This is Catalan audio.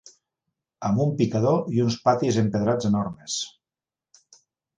Amb un picador i uns patis empedrats enormes